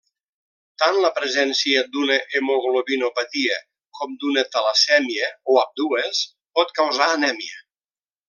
Tant la presència d'una hemoglobinopatia com d'una talassèmia, o ambdues, pot causar anèmia.